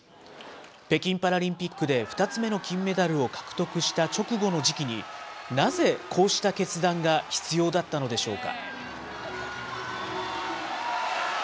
北京パラリンピックで２つ目の金メダルを獲得した直後の時期に、なぜこうした決断が必要だったのでしょうか。